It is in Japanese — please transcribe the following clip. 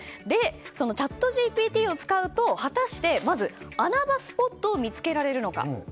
そのチャットＧＰＴを使うと果たして、まず穴場スポットを見つけられるのか。